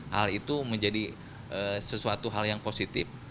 hal itu menjadi sesuatu hal yang positif